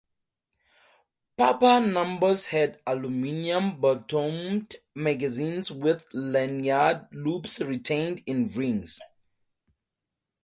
Papa Nambus had aluminum bottomed magazines with lanyard loops retained in rings.